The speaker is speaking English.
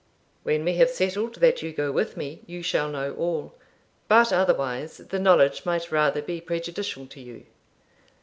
'When we have settled that you go with me, you shall know all; but otherwise, the knowledge might rather be prejudicial to you.'